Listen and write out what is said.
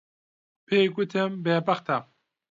پێی گوتم بێبەختە.